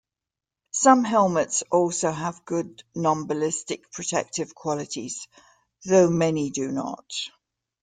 Some helmets also have good non-ballistic protective qualities, though many do not.